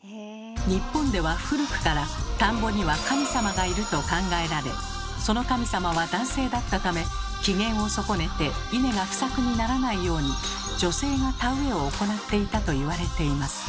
日本では古くから「田んぼには神様がいる」と考えられその神様は男性だったため機嫌を損ねて稲が不作にならないように女性が田植えを行っていたと言われています。